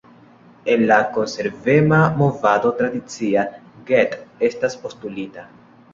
En la Konservema movado tradicia "get" estas postulita.